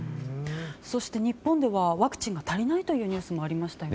そして日本ではワクチンが足りないというニュースもありましたよね。